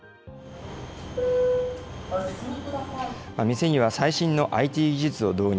店には最新のＩＴ技術を導入。